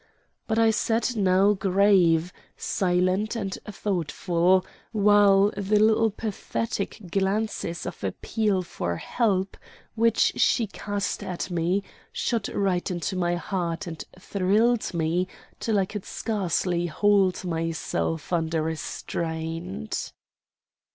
But I sat now grave, silent, and thoughtful, while the little pathetic glances of appeal for help which she cast at me shot right into my heart and thrilled me till I could scarcely hold myself under restraint.